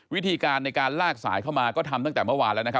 วิธีการในการลากสายเข้ามาก็ทำตั้งแต่เมื่อวานแล้วนะครับ